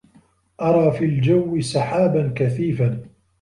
أَرَى فِي الْجَوِّ سَحَابًا كَثِيفَا.